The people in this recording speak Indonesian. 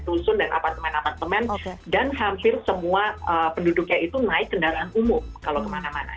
rusun dan apartemen apartemen dan hampir semua penduduknya itu naik kendaraan umum kalau kemana mana